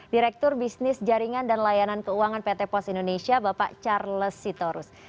direktur bisnis jaringan dan layanan keuangan pt pos indonesia bapak charles sitorus